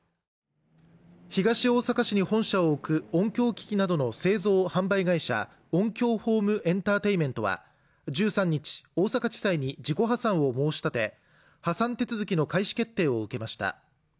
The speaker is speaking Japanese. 東大阪市に本社を置く音響機器などの製造・販売会社、オンキヨーホームエンターテイメントは１３日、大阪地裁に自己破産を申し立て破産手続きの開始決定を受けました。